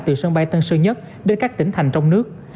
từ sân bay tân sơn nhất đến các tỉnh thành trong nước